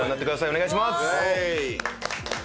お願いします！